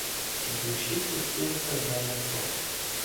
Душі пустився Демоток.